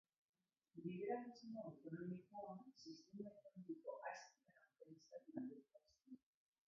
Liberalismo ekonomikoa, sistema ekonomiko aske eta kapitalistaren aldekoa zen.